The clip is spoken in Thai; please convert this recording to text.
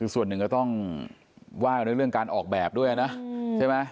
ส่วนหนึ่งก็ต้องว่ากันด้วยเรื่องการออกแบบด้วยนะใช่ไหม